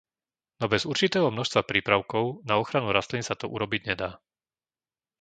No bez určitého množstva prípravkov na ochranu rastlín sa to urobiť nedá.